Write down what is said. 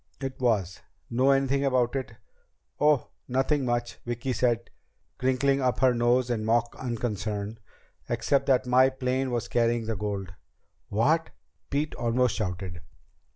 "It was! Know anything about it?" "Oh, nothing much," Vicki said, crinkling up her mouth in mock unconcern, "except that my plane was carrying the gold." "What?" Pete almost shouted.